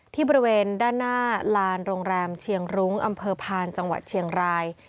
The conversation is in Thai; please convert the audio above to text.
บริเวณด้านหน้าลานโรงแรมเชียงรุ้งอำเภอพานจังหวัดเชียงราย